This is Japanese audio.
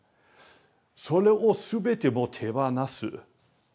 それを全てもう手放す。